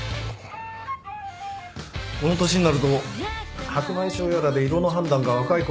この年になると白内障やらで色の判断が若いころより鈍くなる。